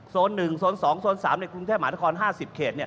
โซนหนึ่งโซนสองโซนสามในกรุงเทพหมานครห้าสิบเขต